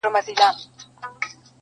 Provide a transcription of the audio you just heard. د غار خوله کي تاوېدله ګرځېدله,